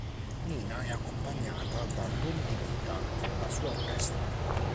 Mina è accompagnata da Tony De Vita con la sua orchestra.